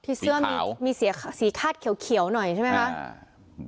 เสื้อมีสีคาดเขียวหน่อยใช่ไหมคะ